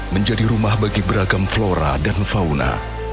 menjadi rumah bagi beragam flora dan fauna